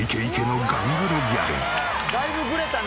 だいぶグレたね！